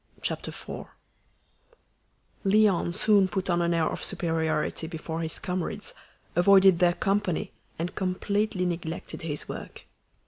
Chapter Four Léon soon put on an air of superiority before his comrades, avoided their company, and completely neglected his work.